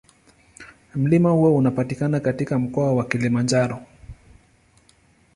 Mlima huo unapatikana katika Mkoa wa Kilimanjaro.